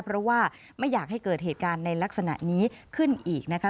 เพราะว่าไม่อยากให้เกิดเหตุการณ์ในลักษณะนี้ขึ้นอีกนะคะ